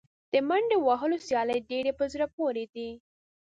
د منډې وهلو سیالۍ ډېرې په زړه پورې دي.